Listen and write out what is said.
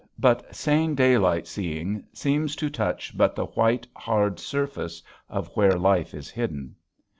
but sane daylight seeing seems to touch but the white, hard surface of where life is hidden.